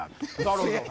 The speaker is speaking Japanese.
なるほど。